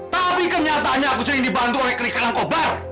tapi kenyataannya aku sering dibantu oleh keris kalangkobar